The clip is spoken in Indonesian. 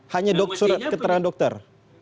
hanya dokter surat ketahanan dokter